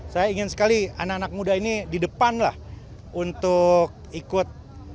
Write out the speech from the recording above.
saya ingin sekali anak anak muda ini di depan lah untuk ikut